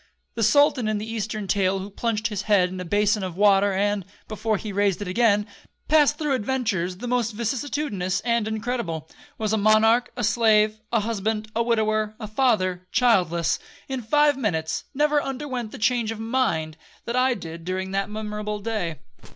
The sultan in the eastern tale who plunged his head in a bason of water, and, before he raised it again, passed through adventures the most vicissitudinous and incredible—was a monarch, a slave, a husband, a widower, a father, childless,—in five minutes, never underwent the changes of mind that I did during that memorable day.